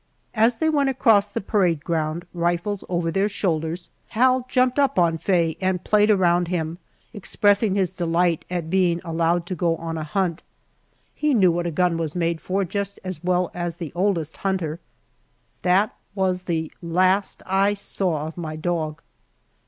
As they went across the parade ground, rifles over their shoulders, Hal jumped up on Faye and played around him, expressing his delight at being allowed to go on a hunt. He knew what a gun was made for just as well as the oldest hunter. That was the last I saw of my dog!